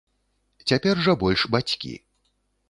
Цяпер жа больш бацькі.